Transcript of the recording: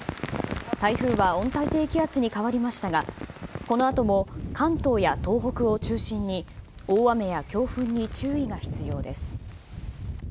台風は温帯低気圧に変わりましたが、このあとも関東や東北を中心に大雨や強風に注意が必要です。